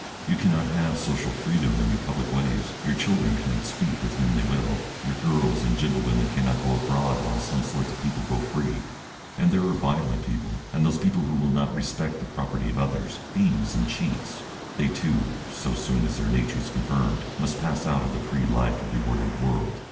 You cannot have social freedom in your public ways, your children cannot speak to whom they will, your girls and gentle women cannot go abroad while some sorts of people go free. And there are violent people, and those who will not respect the property of others, thieves and cheats, they, too, so soon as their nature is confirmed, must pass out of the free life of our ordered world.